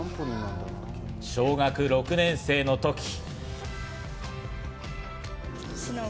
小学６年生の時。